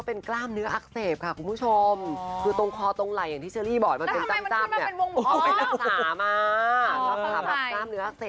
ตอนแรกนะแถวตรงอื่นอ่ะดิฉันโอเค